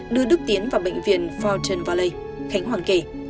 đưa đức tiến vào bệnh viện foutan valley khánh hoàng kể